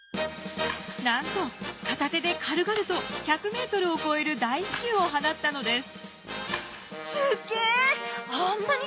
なんと片手で軽々と１００ｍを超える大飛球を放ったのです。